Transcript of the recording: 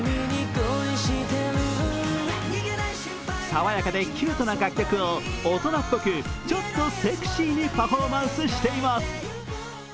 爽やかでキュートな楽曲を大人っぽく、ちょっとセクシーにパフォーマンスしています。